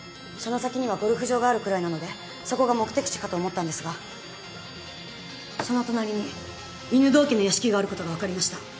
その先にはゴルフ場があるくらいなのでそこが目的地かと思ったんですがその隣に犬堂家の屋敷があることが分かりました。